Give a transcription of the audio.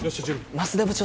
舛田部長